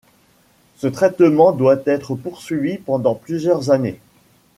Ce traitement doit être poursuivi pendant plusieurs années.